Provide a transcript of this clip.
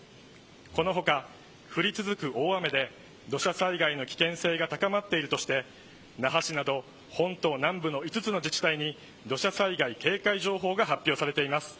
この他、降り続く大雨で土砂災害の危険性が高まっているとして那覇市など本島南部の５つの自治体に土砂災害警戒情報が出されています。